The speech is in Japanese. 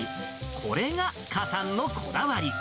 これが、かさんのこだわり。